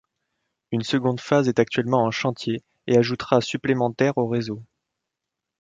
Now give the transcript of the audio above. Une seconde phase est actuellement en chantier et ajoutera supplémentaires au réseau.